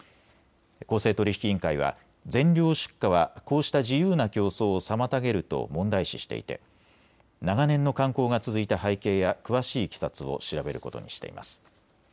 公正取引委員会は全量出荷はこうした自由な競争を妨げると問題視していて長年の慣行が続いた背景や詳しいいきさつを調べることにしています。